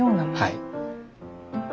はい。